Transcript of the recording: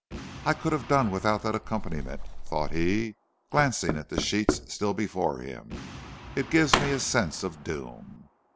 "I could have done without that accompaniment," thought he, glancing at the sheets still before him. "It gives me a sense of doom."